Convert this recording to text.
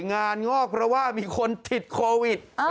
งอกเพราะว่ามีคนติดโควิด